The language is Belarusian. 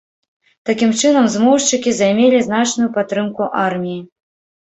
Такім чынам, змоўшчыкі займелі значную падтрымку арміі.